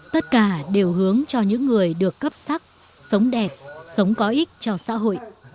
tất cả đều hướng cho những người được cấp sắc sống đẹp sống có ích cho xã hội